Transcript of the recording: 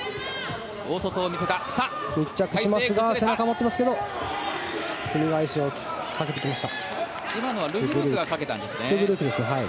密着しますが背中を持っていますけどすみ返しをかけてきました。